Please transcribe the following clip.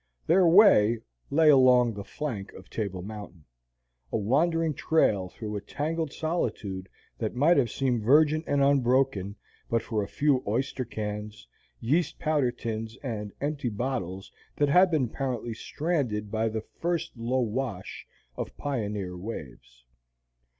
Their way lay along the flank of Table Mountain, a wandering trail through a tangled solitude that might have seemed virgin and unbroken but for a few oyster cans, yeast powder tins, and empty bottles that had been apparently stranded by the "first low wash" of pioneer waves.